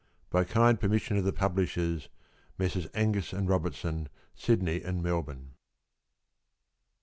(_By kind permission of the publishers, Messrs. Angus and Robertson, Sydney and Melbourne.